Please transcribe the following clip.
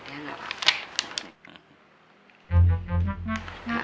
ya enggak apa apa